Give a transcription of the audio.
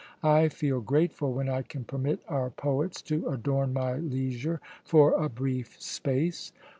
I feel grateful when I can permit our poets to adorn my leisure for a brief space.